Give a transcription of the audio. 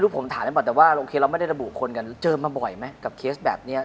ผมถามให้หมดแต่ว่าโอเคเราไม่ได้ระบุคนกันเจอมาบ่อยไหมกับเคสแบบนี้